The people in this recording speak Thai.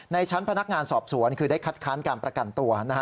ในชั้นพนักงานสอบสวนคือได้คัดค้านการประกันตัว